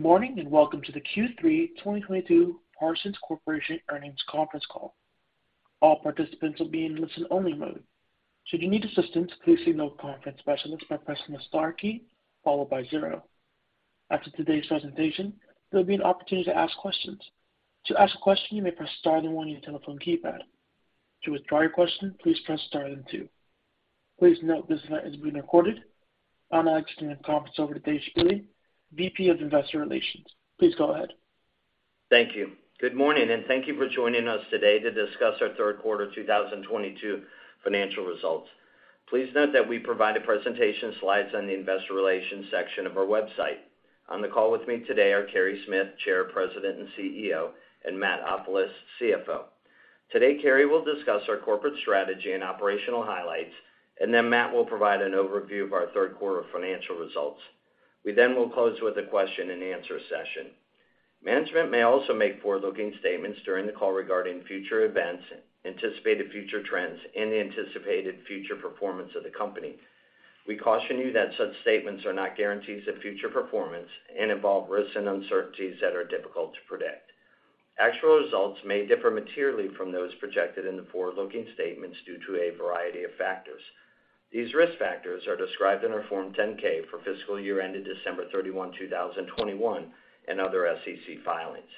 Good morning, and welcome to the Q3 2022 Parsons Corporation Earnings Conference Call. All participants will be in listen-only mode. Should you need assistance, please signal a conference specialist by pressing the star key followed by zero. After today's presentation, there'll be an opportunity to ask questions. To ask a question, you may press star then one on your telephone keypad. To withdraw your question, please press star then two. Please note this event is being recorded. I'll now be handing the conference over to Dave Spille, VP of Investor Relations. Please go ahead. Thank you. Good morning, and thank you for joining us today to discuss our third quarter 2022 financial results. Please note that we provide a presentation slides on the investor relations section of our website. On the call with me today are Carey Smith, Chair, President, and CEO, and Matt Ofilos, CFO. Today, Carey will discuss our corporate strategy and operational highlights, and then Matt will provide an overview of our third quarter 2022 financial results. We then will close with a question-and-answer session. Management may also make forward-looking statements during the call regarding future events, anticipated future trends, and the anticipated future performance of the company. We caution you that such statements are not guarantees of future performance and involve risks and uncertainties that are difficult to predict. Actual results may differ materially from those projected in the forward-looking statements due to a variety of factors. These risk factors are described in our Form 10-K for fiscal year ended December 31, 2021 and other SEC filings.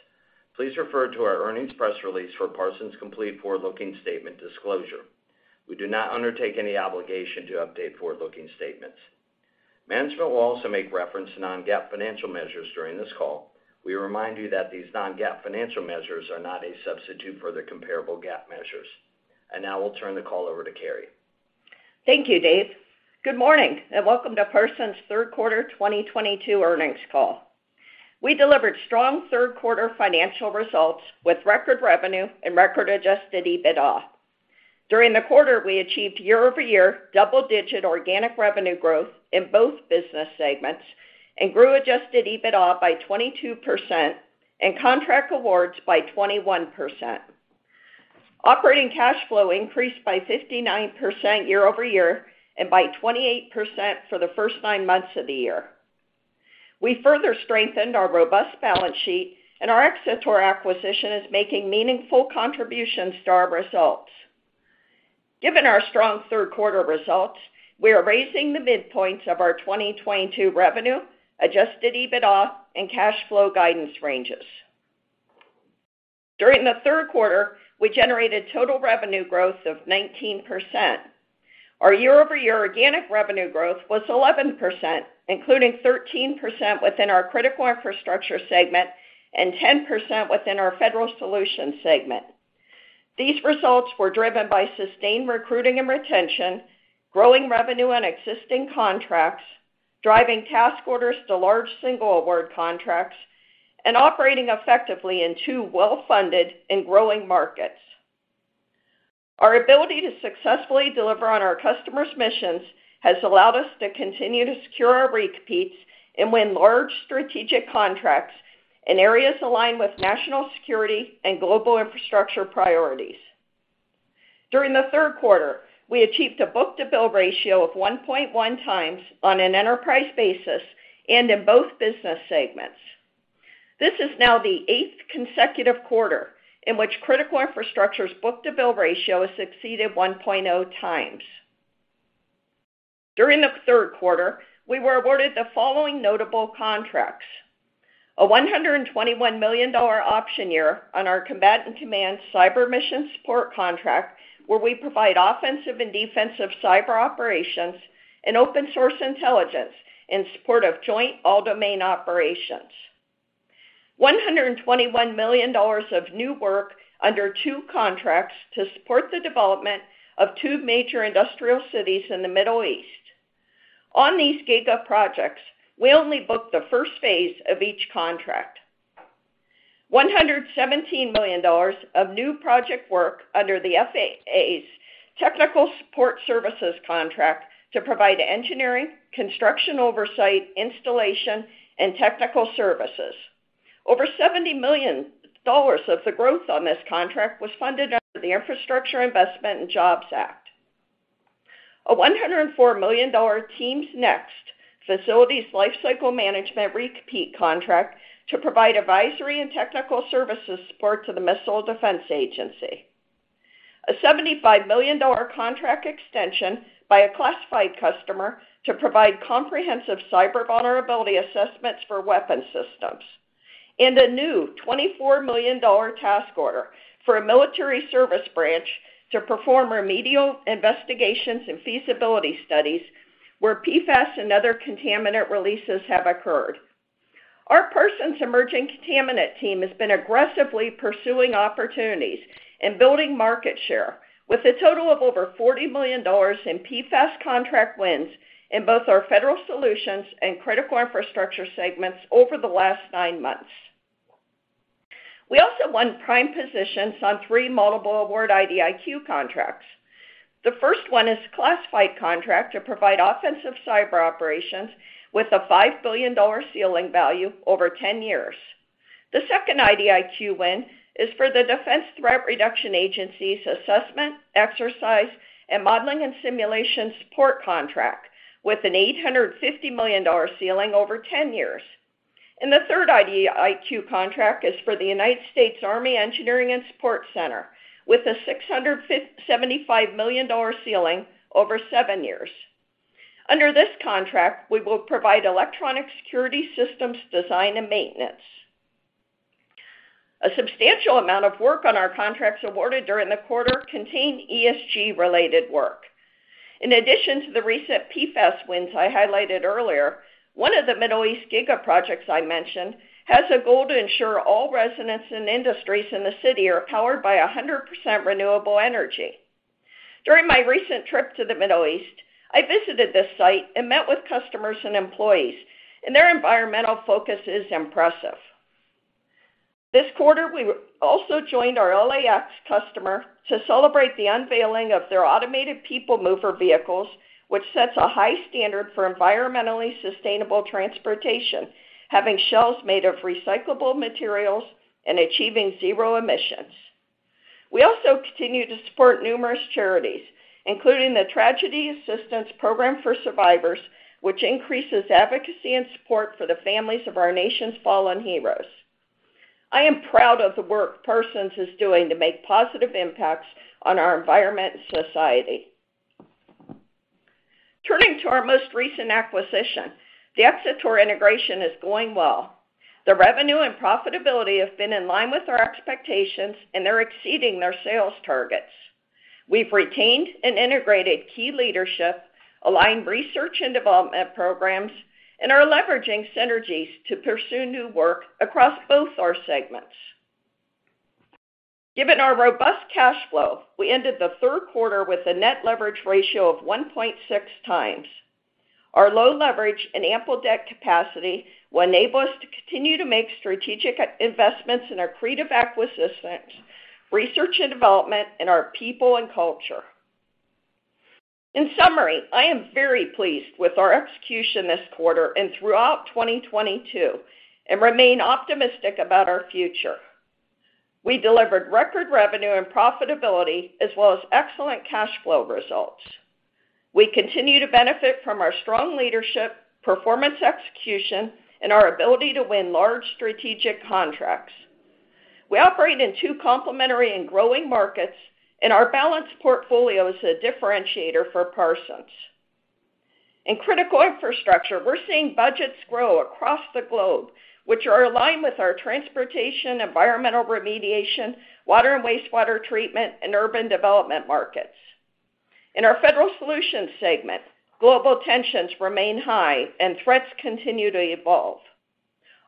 Please refer to our earnings press release for Parsons' complete forward-looking statement disclosure. We do not undertake any obligation to update forward-looking statements. Management will also make reference to non-GAAP financial measures during this call. We remind you that these non-GAAP financial measures are not a substitute for the comparable GAAP measures. Now I'll turn the call over to Carey. Thank you, Dave. Good morning, and welcome to Parsons' third quarter 2022 earnings call. We delivered strong third quarter financial results with record revenue and record Adjusted EBITDA. During the quarter, we achieved year-over-year double-digit organic revenue growth in both business segments and grew Adjusted EBITDA by 22% and contract awards by 21%. Operating cash flow increased by 59% year-over-year and by 28% for the first nine months of the year. We further strengthened our robust balance sheet, and our Xator acquisition is making meaningful contributions to our results. Given our strong third quarter results, we are raising the midpoints of our 2022 revenue, Adjusted EBITDA, and cash flow guidance ranges. During the third quarter, we generated total revenue growth of 19%. Our year-over-year organic revenue growth was 11%, including 13% within our critical infrastructure segment and 10% within our federal solutions segment. These results were driven by sustained recruiting and retention, growing revenue on existing contracts, driving task orders to large single award contracts, and operating effectively in two well-funded and growing markets. Our ability to successfully deliver on our customers' missions has allowed us to continue to secure our repeats and win large strategic contracts in areas aligned with national security and global infrastructure priorities. During the third quarter, we achieved a book-to-bill ratio of 1.1x on an enterprise basis and in both business segments. This is now the eighth consecutive quarter in which critical infrastructure's book-to-bill ratio has exceeded 1.0x. During the third quarter, we were awarded the following notable contracts. A $121 million option year on our combat and command cyber mission support contract, where we provide offensive and defensive cyber operations and open-source intelligence in support of joint all-domain operations. $121 million of new work under two contracts to support the development of two major industrial cities in the Middle East. On these giga projects, we only book the first phase of each contract. $117 million of new project work under the FAA's Technical Support Services contract to provide engineering, construction oversight, installation, and technical services. Over $70 million of the growth on this contract was funded under the Infrastructure Investment and Jobs Act. A $104 million TEAMS Next Facilities Lifecycle Management repeat contract to provide advisory and technical services support to the Missile Defense Agency. A $75 million contract extension by a classified customer to provide comprehensive cyber vulnerability assessments for weapon systems. A new $24 million task order for a military service branch to perform remedial investigations and feasibility studies where PFAS and other contaminant releases have occurred. Our Parsons Emerging Contaminant Team has been aggressively pursuing opportunities and building market share with a total of over $40 million in PFAS contract wins in both our federal solutions and critical infrastructure segments over the last nine months. We also won prime positions on three multiple award IDIQ contracts. The first one is a classified contract to provide offensive cyber operations with a $5 billion ceiling value over 10 years. The second IDIQ win is for the Defense Threat Reduction Agency's assessment, exercise, and modeling and simulation support contract, with an $850 million ceiling over 10 years. The third IDIQ contract is for the U.S. Army Engineering and Support Center with a $675 million ceiling over 7 years. Under this contract, we will provide electronic security systems design and maintenance. A substantial amount of work on our contracts awarded during the quarter contain ESG related work. In addition to the recent PFAS wins I highlighted earlier, one of the Middle East giga projects I mentioned has a goal to ensure all residents and industries in the city are powered by 100% renewable energy. During my recent trip to the Middle East, I visited this site and met with customers and employees, and their environmental focus is impressive. This quarter, we also joined our LAX customer to celebrate the unveiling of their automated people mover vehicles, which sets a high standard for environmentally sustainable transportation, having shells made of recyclable materials and achieving zero emissions. We also continue to support numerous charities, including the Tragedy Assistance Program for Survivors, which increases advocacy and support for the families of our nation's fallen heroes. I am proud of the work Parsons is doing to make positive impacts on our environment and society. Turning to our most recent acquisition, the Xator integration is going well. The revenue and profitability have been in line with our expectations, and they're exceeding their sales targets. We've retained and integrated key leadership, aligned research and development programs, and are leveraging synergies to pursue new work across both our segments. Given our robust cash flow, we ended the third quarter with a net leverage ratio of 1.6x. Our low leverage and ample debt capacity will enable us to continue to make strategic investments in our creative acquisitions, research and development, and our people and culture. In summary, I am very pleased with our execution this quarter and throughout 2022 and remain optimistic about our future. We delivered record revenue and profitability as well as excellent cash flow results. We continue to benefit from our strong leadership, performance execution, and our ability to win large strategic contracts. We operate in two complementary and growing markets, and our balanced portfolio is a differentiator for Parsons. In critical infrastructure, we're seeing budgets grow across the globe, which are aligned with our transportation, environmental remediation, water and wastewater treatment, and urban development markets. In our federal solutions segment, global tensions remain high and threats continue to evolve.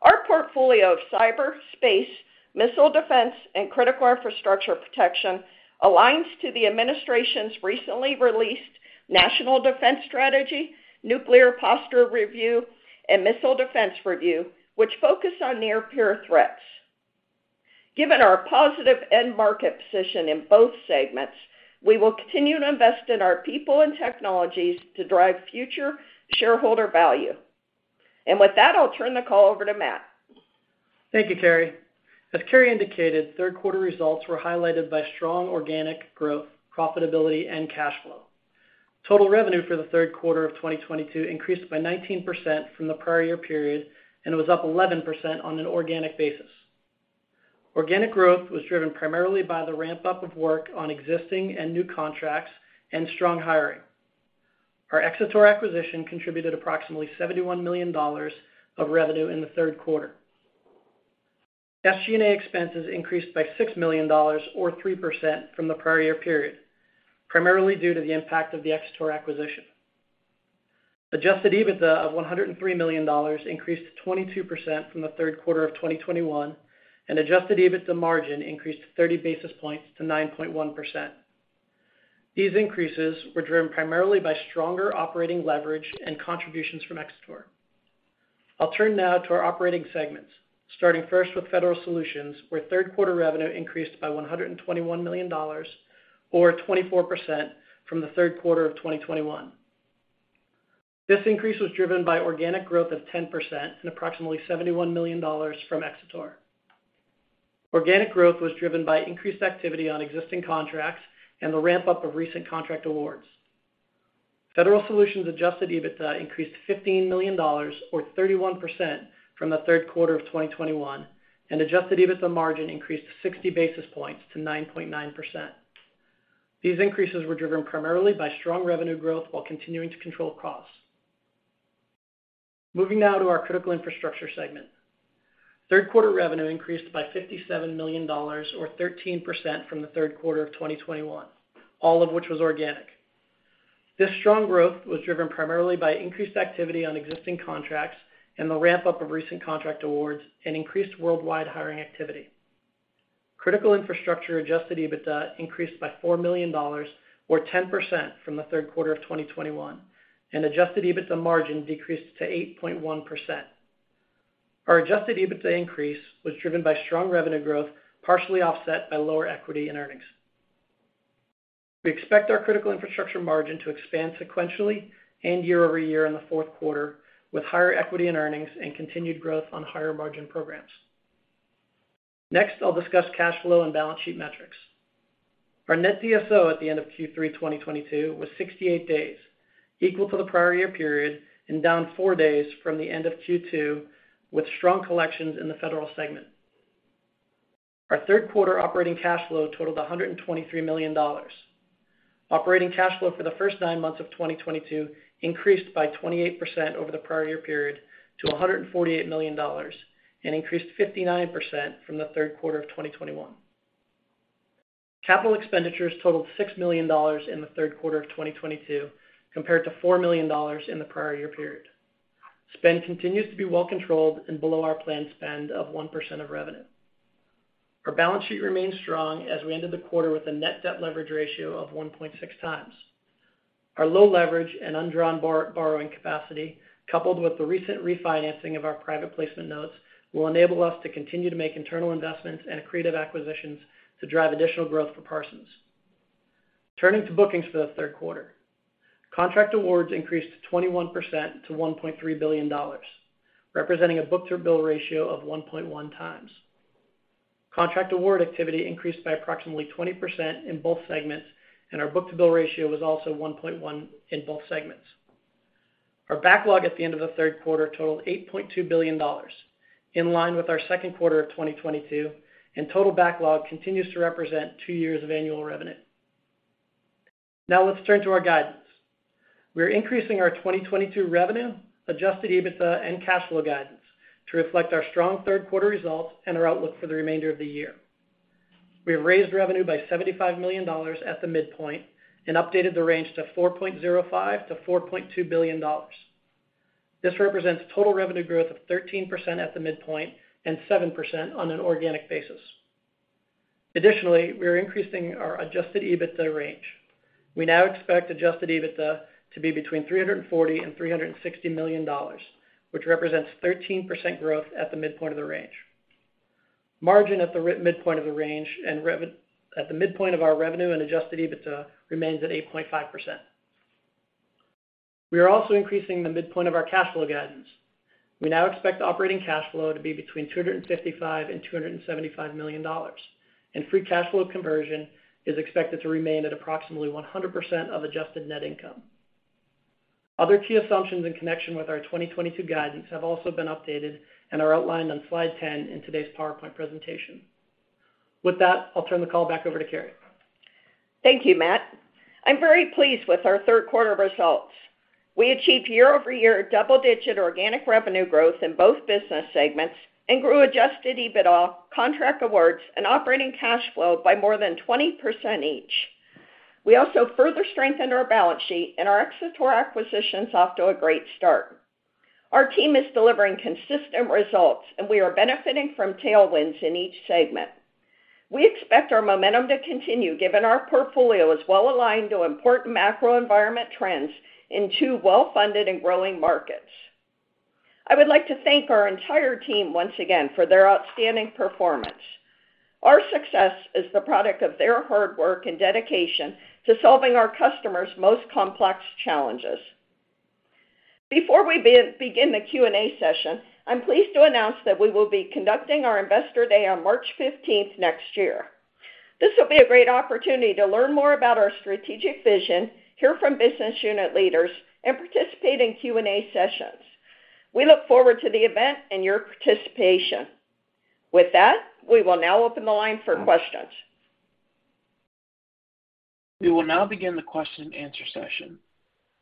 Our portfolio of cyber, space, missile defense, and critical infrastructure protection aligns to the administration's recently released National Defense Strategy, Nuclear Posture Review, and Missile Defense Review, which focus on near peer threats. Given our positive end market position in both segments, we will continue to invest in our people and technologies to drive future shareholder value. With that, I'll turn the call over to Matt. Thank you, Carey. As Carey indicated, third quarter results were highlighted by strong organic growth, profitability, and cash flow. Total revenue for the third quarter of 2022 increased by 19% from the prior year period and was up 11% on an organic basis. Organic growth was driven primarily by the ramp-up of work on existing and new contracts and strong hiring. Our Xator acquisition contributed approximately $71 million of revenue in the third quarter. SG&A expenses increased by $6 million or 3% from the prior year period, primarily due to the impact of the Xator acquisition. Adjusted EBITDA of $103 million increased 22% from the third quarter of 2021, and adjusted EBITDA margin increased 30 basis points to 9.1%. These increases were driven primarily by stronger operating leverage and contributions from Xator. I'll turn now to our operating segments, starting first with Federal Solutions, where third quarter revenue increased by $121 million or 24% from the third quarter of 2021. This increase was driven by organic growth of 10% and approximately $71 million from Xator. Organic growth was driven by increased activity on existing contracts and the ramp-up of recent contract awards. Federal Solutions Adjusted EBITDA increased $15 million or 31% from the third quarter of 2021, and Adjusted EBITDA margin increased 60 basis points to 9.9%. These increases were driven primarily by strong revenue growth while continuing to control costs. Moving now to our Critical Infrastructure segment. Third quarter revenue increased by $57 million or 13% from the third quarter of 2021, all of which was organic. This strong growth was driven primarily by increased activity on existing contracts and the ramp-up of recent contract awards and increased worldwide hiring activity. Critical Infrastructure Adjusted EBITDA increased by $4 million or 10% from the third quarter of 2021, and Adjusted EBITDA margin decreased to 8.1%. Our Adjusted EBITDA increase was driven by strong revenue growth, partially offset by lower equity in earnings. We expect our critical infrastructure margin to expand sequentially and year-over-year in the fourth quarter, with higher equity and earnings and continued growth on higher margin programs. Next, I'll discuss cash flow and balance sheet metrics. Our net DSO at the end of Q3 2022 was 68 days, equal to the prior year period and down 4 days from the end of Q2, with strong collections in the Federal segment. Our third quarter operating cash flow totaled $123 million. Operating cash flow for the first nine months of 2022 increased by 28% over the prior year period to $148 million and increased 59% from the third quarter of 2021. Capital expenditures totaled $6 million in the third quarter of 2022 compared to $4 million in the prior year period. Spend continues to be well controlled and below our planned spend of 1% of revenue. Our balance sheet remains strong as we ended the quarter with a net debt leverage ratio of 1.6x. Our low leverage and undrawn borrowing capacity, coupled with the recent refinancing of our private placement notes, will enable us to continue to make internal investments and accretive acquisitions to drive additional growth for Parsons. Turning to bookings for the third quarter. Contract awards increased 21% to $1.3 billion, representing a book-to-bill ratio of 1.1x. Contract award activity increased by approximately 20% in both segments, and our book-to-bill ratio was also 1.1 in both segments. Our backlog at the end of the third quarter totaled $8.2 billion, in line with our second quarter of 2022, and total backlog continues to represent 2 years of annual revenue. Now let's turn to our guidance. We are increasing our 2022 revenue, Adjusted EBITDA, and cash flow guidance to reflect our strong third quarter results and our outlook for the remainder of the year. We have raised revenue by $75 million at the midpoint and updated the range to $4.05 billion-$4.2 billion. This represents total revenue growth of 13% at the midpoint and 7% on an organic basis. Additionally, we are increasing our Adjusted EBITDA range. We now expect Adjusted EBITDA to be between $340 million and $360 million, which represents 13% growth at the midpoint of the range. Margin at the midpoint of the range and at the midpoint of our revenue and Adjusted EBITDA remains at 8.5%. We are also increasing the midpoint of our cash flow guidance. We now expect operating cash flow to be between $255 million and $275 million, and free cash flow conversion is expected to remain at approximately 100% of adjusted net income. Other key assumptions in connection with our 2022 guidance have also been updated and are outlined on slide 10 in today's PowerPoint presentation. With that, I'll turn the call back over to Carey. Thank you, Matt. I'm very pleased with our third quarter results. We achieved year-over-year double-digit organic revenue growth in both business segments and grew Adjusted EBITDA, contract awards, and operating cash flow by more than 20% each. We also further strengthened our balance sheet, and our Xator acquisition's off to a great start. Our team is delivering consistent results, and we are benefiting from tailwinds in each segment. We expect our momentum to continue, given our portfolio is well aligned to important macro environment trends in two well-funded and growing markets. I would like to thank our entire team once again for their outstanding performance. Our success is the product of their hard work and dedication to solving our customers' most complex challenges. Before we begin the Q&A session, I'm pleased to announce that we will be conducting our Investor Day on March 15th next year. This will be a great opportunity to learn more about our strategic vision, hear from business unit leaders, and participate in Q&A sessions. We look forward to the event and your participation. With that, we will now open the line for questions. We will now begin the question and answer session.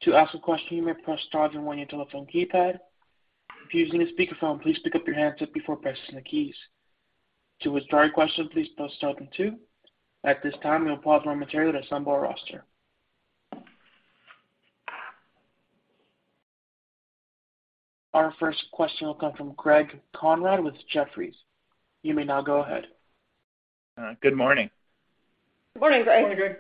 To ask a question, you may press star then one on your telephone keypad. If you're using a speakerphone, please pick up your handset before pressing the keys. To withdraw your question, please press star then two. At this time, we'll pause for a moment to assemble our roster. Our first question will come from Gregory Konrad with Jefferies. You may now go ahead. Good morning. Good morning, Greg. Morning, Greg.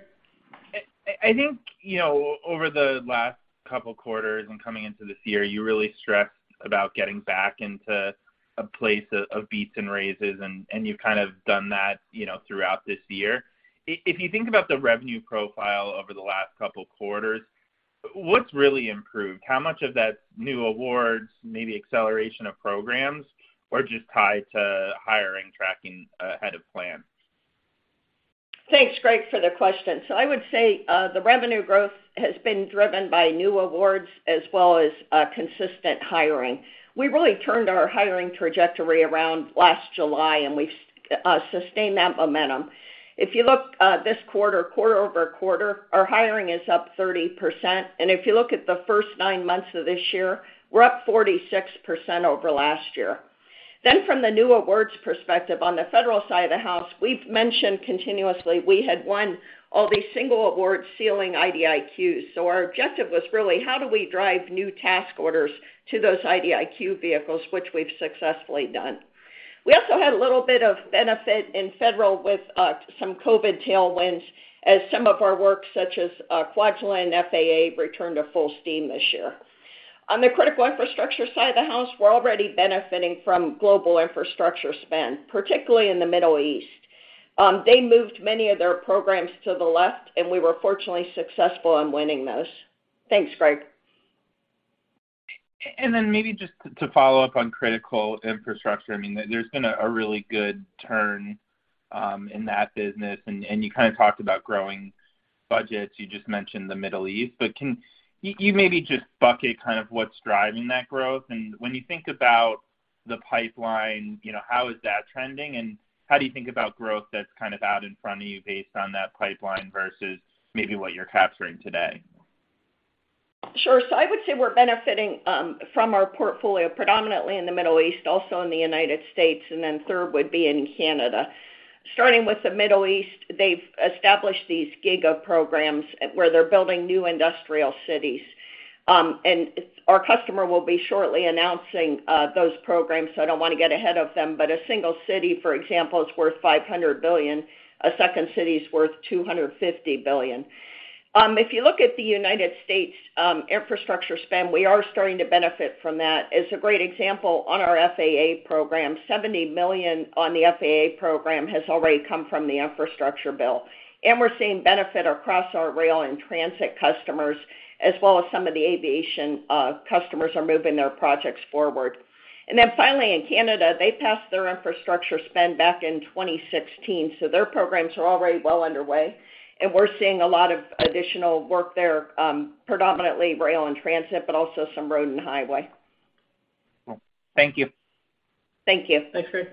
I think, you know, over the last couple quarters and coming into this year, you really stressed about getting back into a place of beats and raises, and you've kind of done that, you know, throughout this year. If you think about the revenue profile over the last couple quarters, what's really improved? How much of that's new awards, maybe acceleration of programs, or just tied to hiring, tracking ahead of plan? Thanks, Greg, for the question. I would say the revenue growth has been driven by new awards as well as consistent hiring. We really turned our hiring trajectory around last July, and we've sustained that momentum. If you look this quarter-over-quarter, our hiring is up 30%, and if you look at the first nine months of this year, we're up 46% over last year. From the new awards perspective, on the federal side of the house, we've mentioned continuously we had won all these single award ceiling IDIQs. Our objective was really how do we drive new task orders to those IDIQ vehicles, which we've successfully done. We also had a little bit of benefit in Federal with some COVID tailwinds as some of our work, such as Kwajalein and FAA, returned to full steam this year. On the critical infrastructure side of the house, we're already benefiting from global infrastructure spend, particularly in the Middle East. They moved many of their programs to the left, and we were fortunately successful in winning those. Thanks, Greg. Then maybe just to follow up on critical infrastructure, I mean, there's been a really good turn in that business, and you kind of talked about growing budgets. You just mentioned the Middle East. Can you maybe just bucket kind of what's driving that growth? When you think about the pipeline, you know, how is that trending, and how do you think about growth that's kind of out in front of you based on that pipeline versus maybe what you're capturing today? Sure. I would say we're benefiting from our portfolio predominantly in the Middle East, also in the United States, and then third would be in Canada. Starting with the Middle East, they've established these giga programs where they're building new industrial cities. Our customer will be shortly announcing those programs, so I don't wanna get ahead of them. A single city, for example, is worth $500 billion. A second city is worth $250 billion. If you look at the United States infrastructure spend, we are starting to benefit from that. As a great example, on our FAA program, $70 million on the FAA program has already come from the infrastructure bill. We're seeing benefit across our rail and transit customers, as well as some of the aviation customers are moving their projects forward. Finally, in Canada, they passed their infrastructure spend back in 2016, so their programs are already well underway. We're seeing a lot of additional work there, predominantly rail and transit, but also some road and highway. Thank you. Thank you. Thanks, Greg.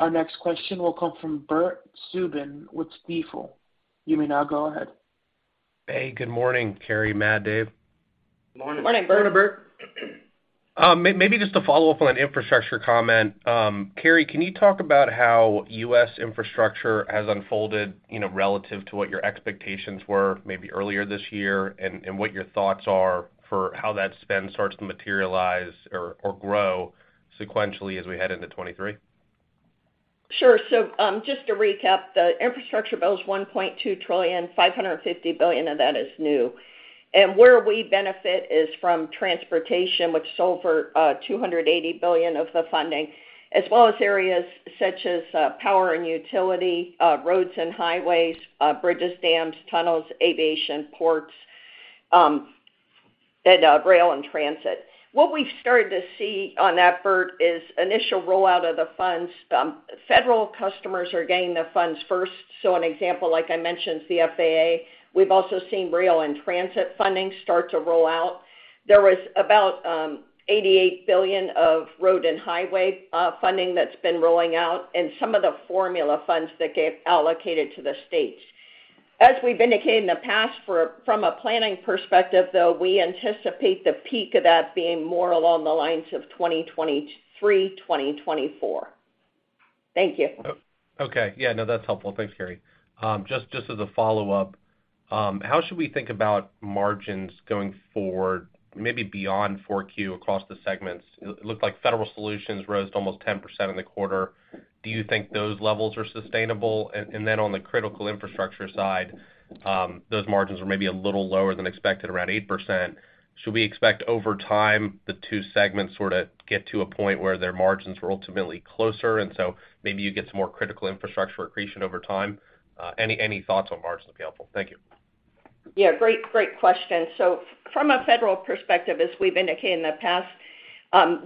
Our next question will come from Bert Subin with Stifel. You may now go ahead. Hey, good morning, Carey, Matt, Dave. Morning. Morning. Morning, Bert. Maybe just to follow up on an infrastructure comment. Carey, can you talk about how U.S. infrastructure has unfolded, you know, relative to what your expectations were maybe earlier this year, and what your thoughts are for how that spend starts to materialize or grow sequentially as we head into 2023? Sure. Just to recap, the infrastructure bill is $1.2 trillion, $550 billion of that is new. Where we benefit is from transportation, which is over $280 billion of the funding, as well as areas such as power and utility, roads and highways, bridges, dams, tunnels, aviation, ports, and rail and transit. What we've started to see on that, Bert, is initial rollout of the funds. Federal customers are getting the funds first. An example, like I mentioned, is the FAA. We've also seen rail and transit funding start to roll out. There was about $88 billion of road and highway funding that's been rolling out and some of the formula funds that get allocated to the states. As we've indicated in the past, from a planning perspective, though, we anticipate the peak of that being more along the lines of 2023, 2024. Thank you. Okay. Yeah, no, that's helpful. Thanks, Carey. Just as a follow-up, how should we think about margins going forward, maybe beyond Q4 across the segments? It looked like Federal Solutions rose to almost 10% in the quarter. Do you think those levels are sustainable? Then on the critical infrastructure side, those margins were maybe a little lower than expected, around 8%. Should we expect over time the two segments sort of get to a point where their margins were ultimately closer, and so maybe you get some more critical infrastructure accretion over time? Any thoughts on margins would be helpful. Thank you. Yeah, great question. From a federal perspective, as we've indicated in the past,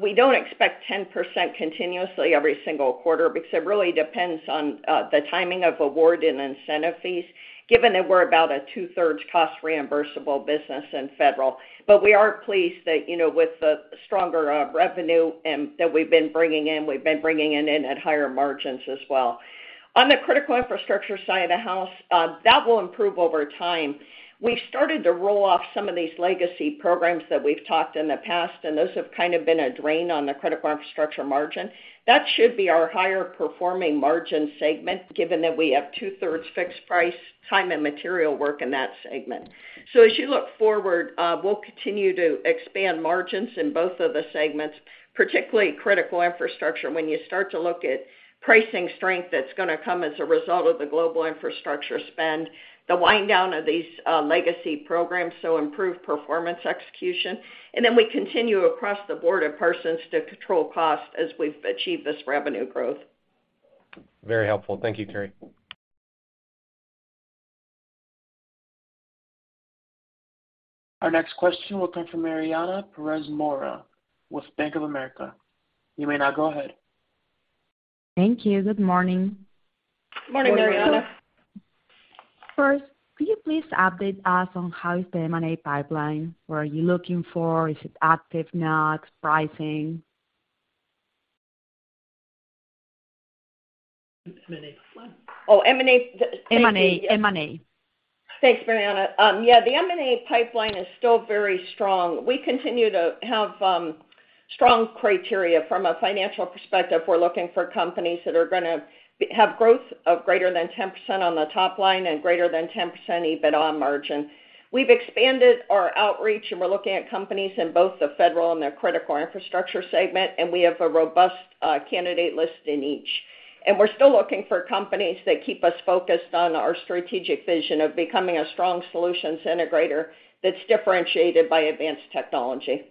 we don't expect 10% continuously every single quarter because it really depends on the timing of award and incentive fees, given that we're about a two-thirds cost reimbursable business in federal. But we are pleased that, you know, with the stronger revenue that we've been bringing in, we've been bringing it in at higher margins as well. On the critical infrastructure side of the house, that will improve over time. We started to roll off some of these legacy programs that we've talked in the past, and those have kind of been a drain on the critical infrastructure margin. That should be our higher performing margin segment, given that we have two-thirds fixed price, time and material work in that segment. As you look forward, we'll continue to expand margins in both of the segments, particularly critical infrastructure. When you start to look at pricing strength that's gonna come as a result of the global infrastructure spend, the wind down of these legacy programs, so improved performance execution. We continue across the board at Parsons to control cost as we've achieved this revenue growth. Very helpful. Thank you, Carey. Our next question will come from Mariana Perez Mora with Bank of America. You may now go ahead. Thank you. Good morning. Morning, Mariana. First, could you please update us on how is the M&A pipeline? What are you looking for? Is it active, not, pricing? M&A pipeline. Oh, M&A. M&A Thanks, Mariana. Yeah, the M&A pipeline is still very strong. We continue to have strong criteria from a financial perspective. We're looking for companies that are gonna have growth of greater than 10% on the top line and greater than 10% EBITDA margin. We've expanded our outreach, and we're looking at companies in both the federal and their critical infrastructure segment, and we have a robust candidate list in each. We're still looking for companies that keep us focused on our strategic vision of becoming a strong solutions integrator that's differentiated by advanced technology.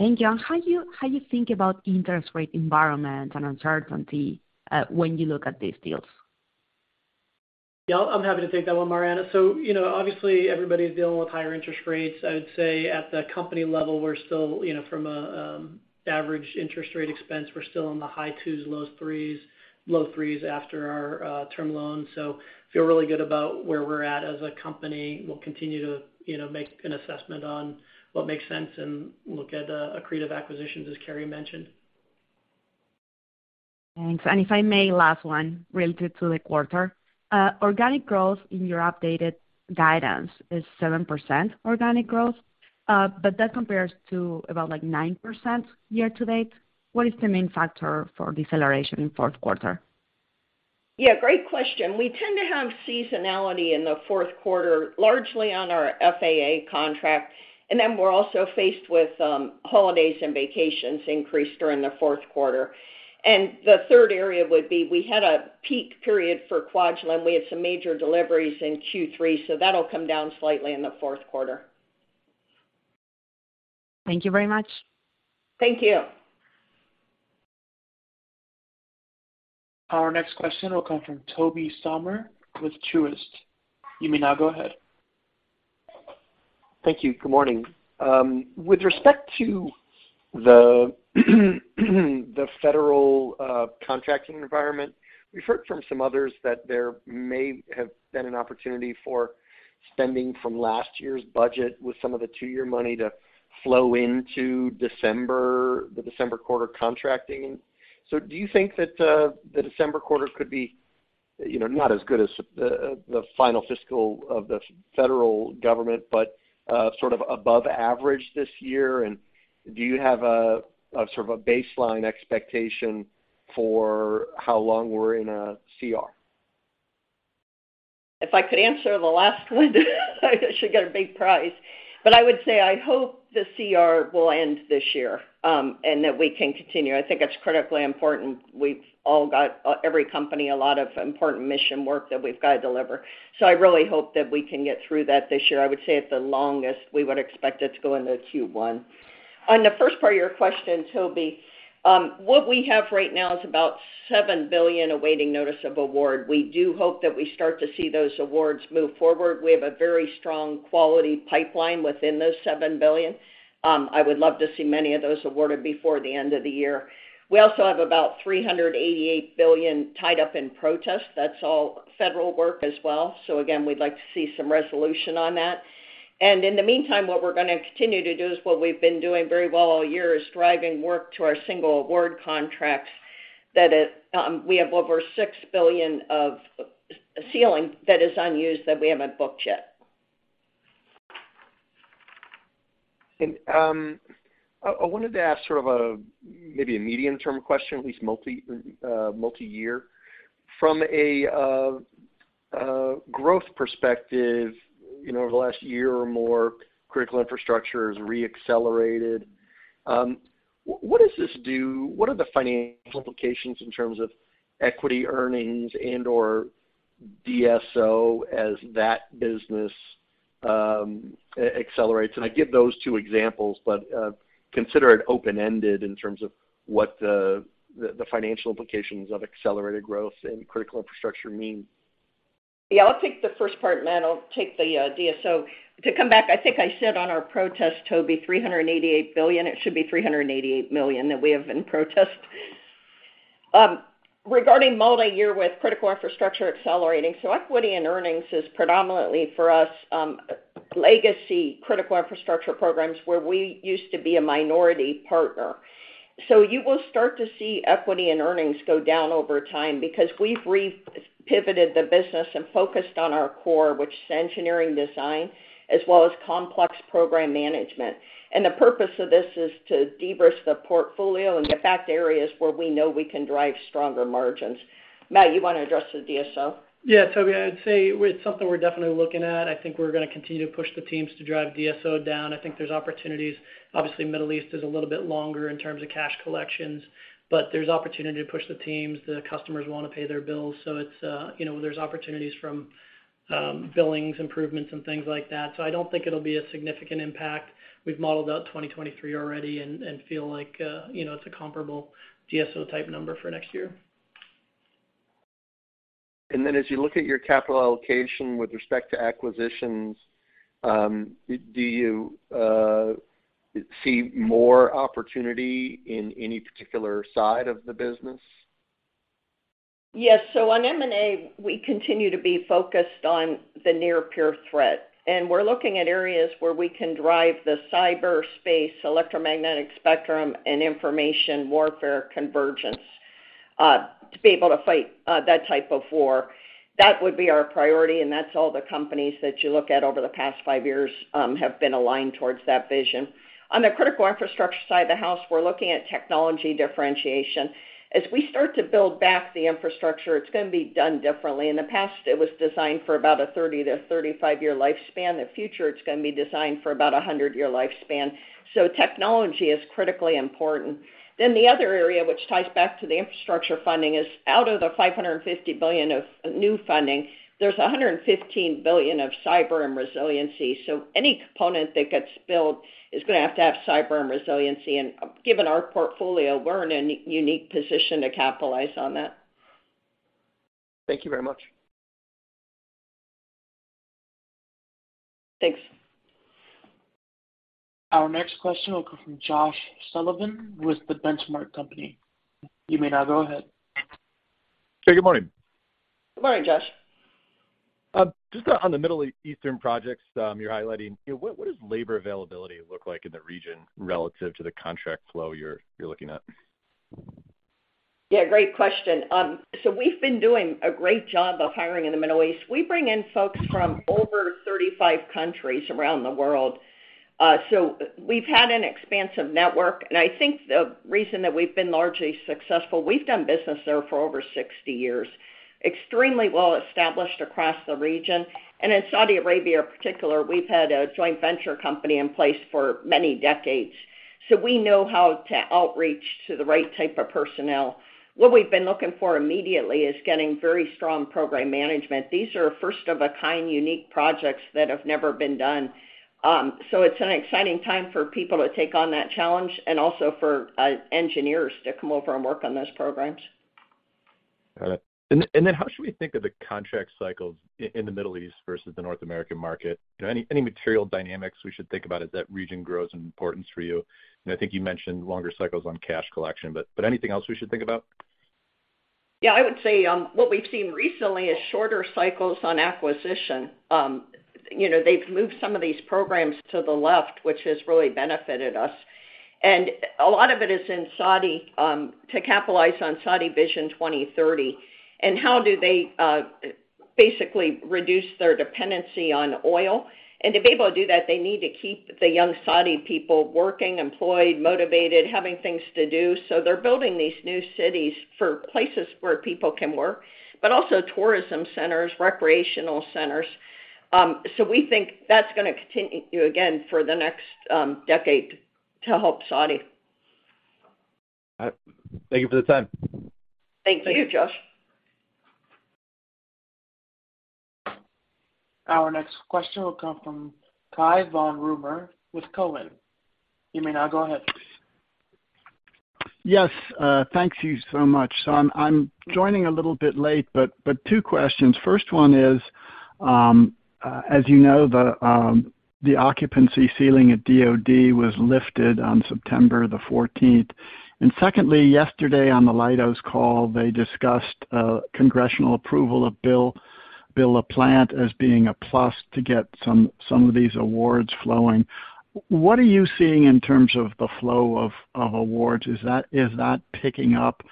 Matt, how you think about interest rate environment and uncertainty, when you look at these deals? Yeah, I'm happy to take that one, Mariana. You know, obviously, everybody's dealing with higher interest rates. I would say at the company level, we're still, you know, from an average interest rate expense, we're still in the high twos, low threes after our term loan. Feel really good about where we're at as a company. We'll continue to, you know, make an assessment on what makes sense and look at accretive acquisitions as Carey mentioned. Thanks. If I may, last one related to the quarter. Organic growth in your updated guidance is 7% organic growth, but that compares to about, like, 9% year-to-date. What is the main factor for deceleration in fourth quarter? Yeah, great question. We tend to have seasonality in the fourth quarter, largely on our FAA contract, and then we're also faced with holidays and vacations increased during the fourth quarter. The third area would be we had a peak period for Kwajalein. We had some major deliveries in Q3, so that'll come down slightly in the fourth quarter. Thank you very much. Thank you. Our next question will come from Tobey Sommer with Truist. You may now go ahead. Thank you. Good morning. With respect to the federal contracting environment, we've heard from some others that there may have been an opportunity for spending from last year's budget with some of the two-year money to flow into December, the December quarter contracting. Do you think that the December quarter could be, you know, not as good as the final fiscal of the federal government, but sort of above average this year? Do you have a sort of a baseline expectation for how long we're in a CR? If I could answer the last one, I should get a big prize. I would say I hope the CR will end this year, and that we can continue. I think it's critically important. We've all got, every company, a lot of important mission work that we've got to deliver. I really hope that we can get through that this year. I would say at the longest, we would expect it to go into Q1. On the first part of your question, Toby, what we have right now is about $7 billion awaiting notice of award. We do hope that we start to see those awards move forward. We have a very strong quality pipeline within those $7 billion. I would love to see many of those awarded before the end of the year. We also have about $388 billion tied up in protests. That's all federal work as well. Again, we'd like to see some resolution on that. In the meantime, what we're gonna continue to do is what we've been doing very well all year is driving work to our single award contracts that is, we have over $6 billion of ceiling that is unused that we haven't booked yet. I wanted to ask sort of a maybe a medium-term question, at least multi-year. From a growth perspective, you know, over the last year or more, critical infrastructure has re-accelerated. What does this do? What are the financial implications in terms of equity earnings and/or DSO as that business accelerates? I give those two examples, but consider it open-ended in terms of what the financial implications of accelerated growth in critical infrastructure mean. Yeah, I'll take the first part, and Matt will take the DSO. To come back, I think I said on our protests, Toby, $388 billion, it should be $388 million that we have in protest. Regarding multi-year with critical infrastructure accelerating, equity and earnings is predominantly for us legacy critical infrastructure programs where we used to be a minority partner. You will start to see equity and earnings go down over time because we've re-pivoted the business and focused on our core, which is engineering design, as well as complex program management. The purpose of this is to de-risk the portfolio and get back to areas where we know we can drive stronger margins. Matt, you wanna address the DSO? Yeah. Tobey, I'd say it's something we're definitely looking at. I think we're gonna continue to push the teams to drive DSO down. I think there's opportunities. Obviously, Middle East is a little bit longer in terms of cash collections, but there's opportunity to push the teams. The customers wanna pay their bills, so it's, you know, there's opportunities from, billings improvements and things like that. I don't think it'll be a significant impact. We've modeled out 2023 already and feel like, you know, it's a comparable DSO type number for next year. As you look at your capital allocation with respect to acquisitions, do you see more opportunity in any particular side of the business? Yes. On M&A, we continue to be focused on the near-peer threat, and we're looking at areas where we can drive the cyberspace electromagnetic spectrum and information warfare convergence. To be able to fight that type of war, that would be our priority, and that's all the companies that you look at over the past five years have been aligned towards that vision. On the critical infrastructure side of the house, we're looking at technology differentiation. As we start to build back the infrastructure, it's gonna be done differently. In the past, it was designed for about a 30 year-35 year lifespan. The future, it's gonna be designed for about a 100-year lifespan. Technology is critically important. The other area, which ties back to the infrastructure funding, is out of the $550 billion of new funding, there's $115 billion of cyber and resiliency. Any component that gets built is gonna have to have cyber and resiliency. Given our portfolio, we're in a unique position to capitalize on that. Thank you very much. Thanks. Our next question will come from Josh Sullivan with The Benchmark Company. You may now go ahead. Hey, good morning. Good morning, Josh. Just on the Middle Eastern projects you're highlighting. What does labor availability look like in the region relative to the contract flow you're looking at? Yeah, great question. We've been doing a great job of hiring in the Middle East. We bring in folks from over 35 countries around the world. We've had an expansive network, and I think the reason that we've been largely successful, we've done business there for over 60 years, extremely well established across the region. In Saudi Arabia, in particular, we've had a joint venture company in place for many decades. We know how to outreach to the right type of personnel. What we've been looking for immediately is getting very strong program management. These are first of a kind unique projects that have never been done. It's an exciting time for people to take on that challenge and also for engineers to come over and work on those programs. Got it. How should we think of the contract cycles in the Middle East versus the North American market? Any material dynamics we should think about as that region grows in importance for you? I think you mentioned longer cycles on cash collection, but anything else we should think about? Yeah, I would say what we've seen recently is shorter cycles on acquisition. You know, they've moved some of these programs to the left, which has really benefited us. A lot of it is in Saudi to capitalize on Saudi Vision 2030, and how do they basically reduce their dependency on oil. To be able to do that, they need to keep the young Saudi people working, employed, motivated, having things to do. They're building these new cities for places where people can work, but also tourism centers, recreational centers. We think that's gonna continue again for the next decade to help Saudi. All right. Thank you for the time. Thank you, Josh. Our next question will come from Cai von Rumohr with TD Cowen. You may now go ahead. Yes, thank you so much. I'm joining a little bit late, but two questions. First one is, as you know, the occupancy ceiling at DoD was lifted on September the fourteenth. Secondly, yesterday on the Leidos call, they discussed Congressional approval of Bill LaPlante as being a plus to get some of these awards flowing. What are you seeing in terms of the flow of awards? Is that picking up?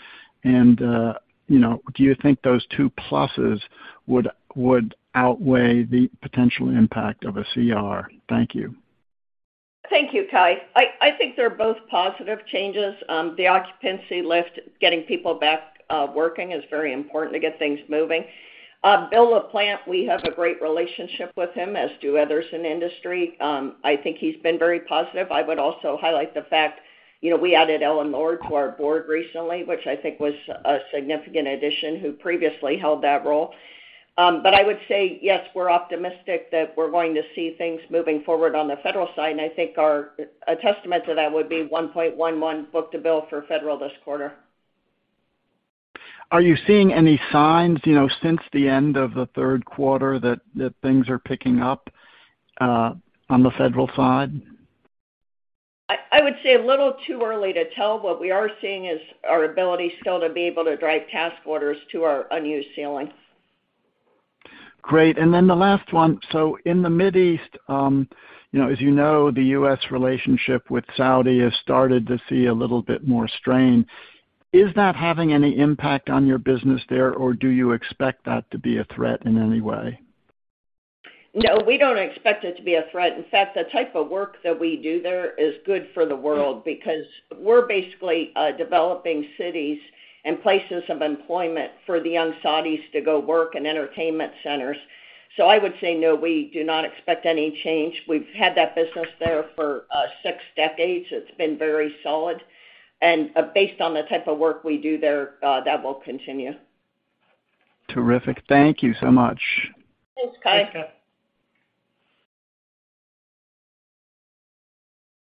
You know, do you think those two pluses would outweigh the potential impact of a CR? Thank you. Thank you, Cai. I think they're both positive changes. The occupancy lift, getting people back working is very important to get things moving. William LaPlante, we have a great relationship with him, as do others in the industry. I think he's been very positive. I would also highlight the fact, you know, we added Ellen Lord to our board recently, which I think was a significant addition, who previously held that role. I would say, yes, we're optimistic that we're going to see things moving forward on the federal side, and I think a testament to that would be 1.11 book-to-bill for federal this quarter. Are you seeing any signs, you know, since the end of the third quarter that things are picking up on the federal side? I would say a little too early to tell. What we are seeing is our ability still to be able to drive task orders to our unused ceiling. Great. The last one. In the Middle East, you know, as you know, the U.S. relationship with Saudi has started to see a little bit more strain. Is that having any impact on your business there, or do you expect that to be a threat in any way? No, we don't expect it to be a threat. In fact, the type of work that we do there is good for the world because we're basically developing cities and places of employment for the young Saudis to go work in entertainment centers. So I would say, no, we do not expect any change. We've had that business there for six decades. It's been very solid. Based on the type of work we do there, that will continue. Terrific. Thank you so much. Thanks, Kai.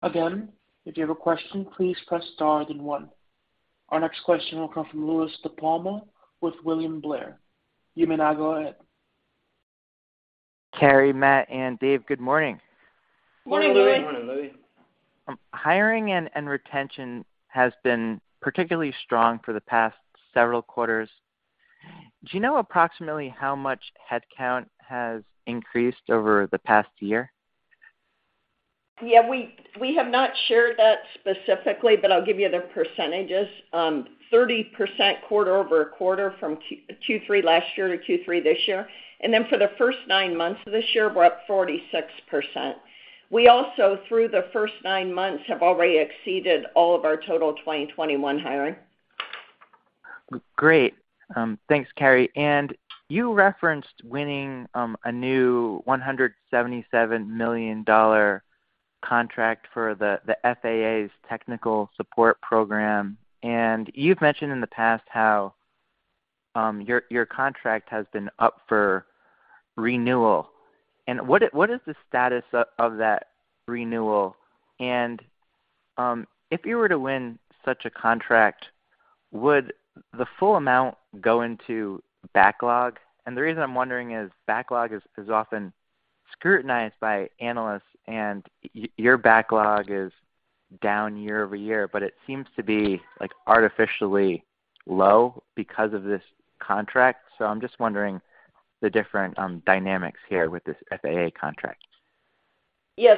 Again, if you have a question, please press star then one. Our next question will come from Louie DiPalma with William Blair. You may now go ahead. Carey, Matt, and Dave, good morning. Morning, Louie. Hiring and retention has been particularly strong for the past several quarters. Do you know approximately how much headcount has increased over the past year? Yeah, we have not shared that specifically, but I'll give you the percentages. 30% quarter-over-quarter from Q3 last year to Q3 this year. Then for the first nine months of this year, we're up 46%. We also, through the first nine months, have already exceeded all of our total 2021 hiring. Great. Thanks, Carey. You referenced winning a new $177 million contract for the FAA's technical support program. You've mentioned in the past how your contract has been up for renewal. What is the status of that renewal? If you were to win such a contract, would the full amount go into backlog? The reason I'm wondering is backlog is often scrutinized by analysts, and your backlog is down year-over-year, but it seems to be, like, artificially low because of this contract. I'm just wondering the different dynamics here with this FAA contract. Yeah.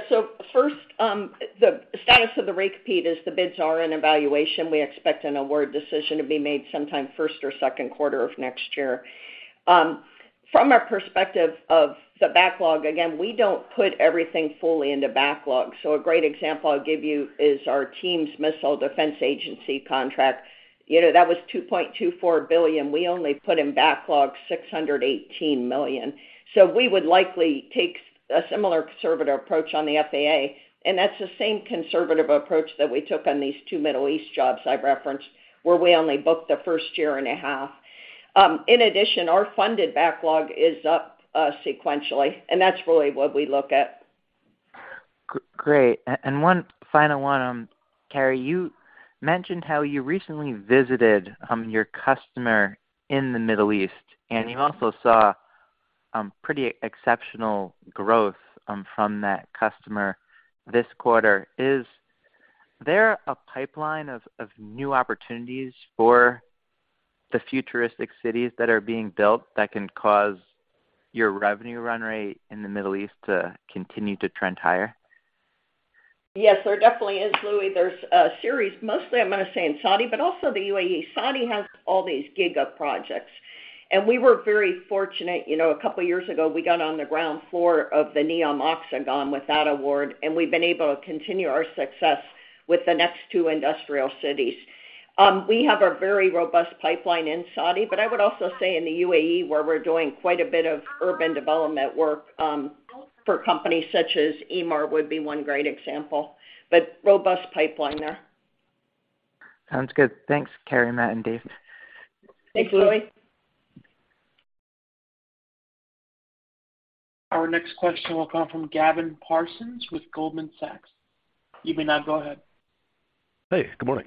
First, the status of the recompete is the bids are in evaluation. We expect an award decision to be made sometime first or second quarter of next year. From our perspective of the backlog, again, we don't put everything fully into backlog. A great example I'll give you is our TEAMS Missile Defense Agency contract. You know, that was $2.24 billion. We only put in backlog $618 million. We would likely take a similar conservative approach on the FAA, and that's the same conservative approach that we took on these two Middle East jobs I referenced, where we only booked the first year and a half. In addition, our funded backlog is up sequentially, and that's really what we look at. Great. One final one. Carey, you mentioned how you recently visited your customer in the Middle East, and you also saw pretty exceptional growth from that customer this quarter. Is there a pipeline of new opportunities for the futuristic cities that are being built that can cause your revenue run rate in the Middle East to continue to trend higher? Yes, there definitely is, Louie. There's a series, mostly I'm going to say in Saudi, but also the UAE. Saudi has all these giga projects, and we were very fortunate. You know, a couple of years ago, we got on the ground floor of the NEOM Oxagon with that award, and we've been able to continue our success with the next two industrial cities. We have a very robust pipeline in Saudi, but I would also say in the UAE, where we're doing quite a bit of urban development work, for companies such as Emaar would be one great example. Robust pipeline there. Sounds good. Thanks, Carey, Matt, and Dave. Thanks, Louie. Our next question will come from Gavin Parsons with Goldman Sachs. You may now go ahead. Hey, good morning.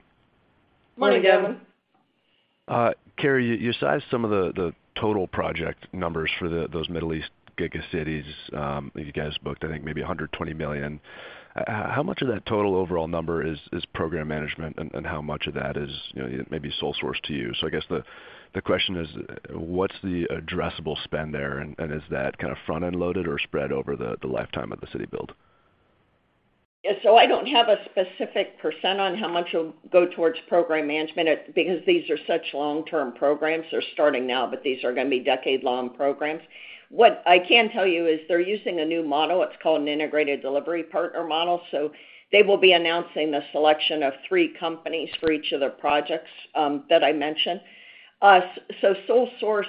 Morning, Gavin. Carey, you cite some of the total project numbers for those Middle East giga cities that you guys booked, I think maybe $120 million. How much of that total overall number is program management and how much of that is, you know, maybe sole source to you? I guess the question is, what's the addressable spend there and is that kind of front-end loaded or spread over the lifetime of the city build? I don't have a specific percent on how much will go towards program management because these are such long-term programs. They're starting now, but these are going to be decade-long programs. What I can tell you is they're using a new model. It's called an integrated delivery partner model. They will be announcing the selection of three companies for each of the projects that I mentioned. Sole source,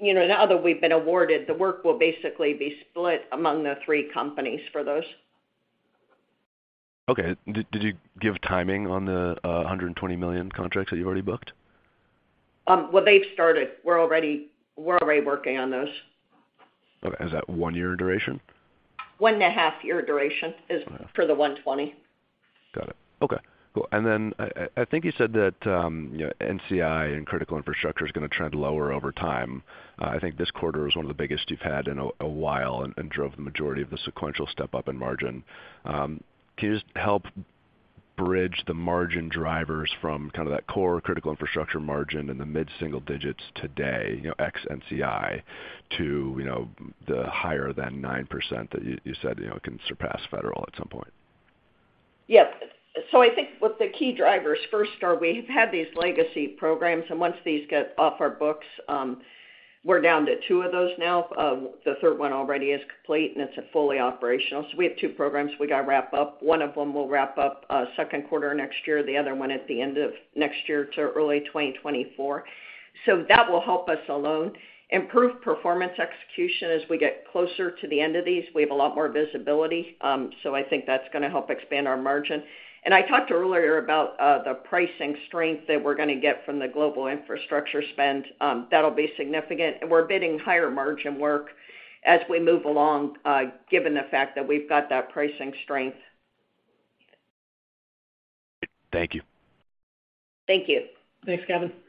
you know, now that we've been awarded, the work will basically be split among the three companies for those. Okay. Did you give timing on the $120 million contracts that you've already booked? Well, they've started. We're already working on those. Is that one-year duration? 1.5 year duration is for the 120. Got it. Okay, cool. Then I think you said that, you know, ECI and critical infrastructure is going to trend lower over time. I think this quarter was one of the biggest you've had in a while and drove the majority of the sequential step-up in margin. Can you just help bridge the margin drivers from kind of that core critical infrastructure margin in the mid-single digits today, you know, ex ECI, to, you know, the higher than 9% that you said, you know, can surpass federal at some point? Yeah. I think what the key drivers first are, we've had these legacy programs, and once these get off our books, we're down to two of those now. The third one already is complete, and it's fully operational. We have two programs we got to wrap up. One of them will wrap up second quarter next year, the other one at the end of next year to early 2024. That will help us alone. Improved performance execution as we get closer to the end of these. We have a lot more visibility. I think that's going to help expand our margin. I talked earlier about the pricing strength that we're going to get from the global infrastructure spend. That'll be significant. We're bidding higher-margin work as we move along, given the fact that we've got that pricing strength. Thank you. Thank you. Thanks, Gavin.